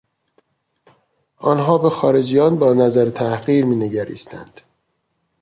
آنها به خارجیان با نظر تحقیر مینگریستند.